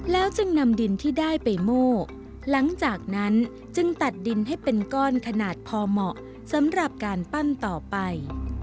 แล้วจึงนำดินที่ได้ไปโม่หลังจากนั้นจึงตัดดินให้เป็นก้อนขนาดพอเหมาะสำหรับการปั้นต่อไป